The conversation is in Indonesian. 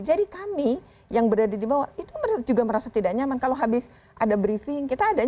jadi kami yang berada di bawah itu juga merasa tidak nyaman kalau habis ada briefing kita adanya